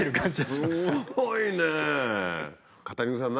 すごいね！